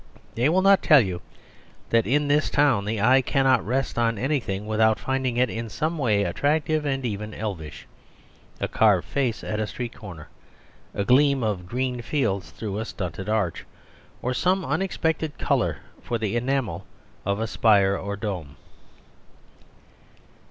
They will not tell you that in this town the eye cannot rest on anything without finding it in some way attractive and even elvish, a carved face at a street corner, a gleam of green fields through a stunted arch, or some unexpected colour for the enamel of a spire or dome.